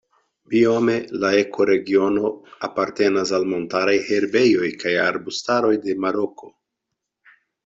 Biome la ekoregiono apartenas al montaraj herbejoj kaj arbustaroj de Maroko.